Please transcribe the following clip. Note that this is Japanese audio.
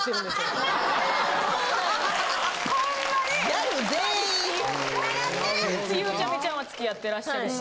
・ギャル全員・ゆうちゃみちゃんは付き合ってらっしゃるし。